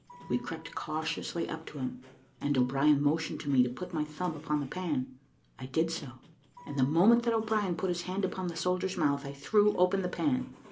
We crept cautiously up to him, and O'Brien motioning to me to put my thumb upon the pan, I did so, and the moment that O'Brien put his hand upon the soldier's mouth, I threw open the pan.